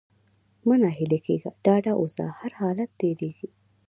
مه ناهيلی کېږه! ډاډه اوسه! هرحالت تېرېږي.